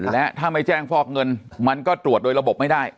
และถ้าไม่แจ้งฟอกเงินมันก็ตรวจโดยระบบไม่ได้